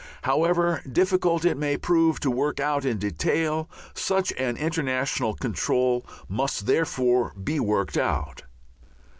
However difficult it may prove to work out in detail, such an international control must therefore be worked out.